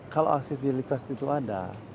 kalau aksesibilitas itu ada